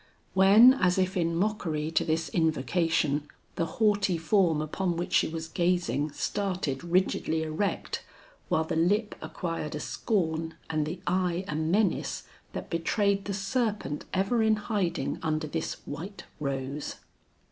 When as if in mockery to this invocation, the haughty form upon which she was gazing started rigidly erect, while the lip acquired a scorn and the eye a menace that betrayed the serpent ever in hiding under this white rose.